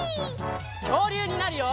きょうりゅうになるよ！